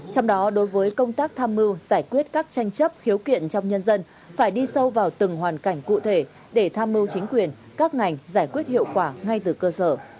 trong đó đối với công tác tham mưu giải quyết các tranh chấp khiếu kiện trong nhân dân phải đi sâu vào từng hoàn cảnh cụ thể để tham mưu chính quyền các ngành giải quyết hiệu quả ngay từ cơ sở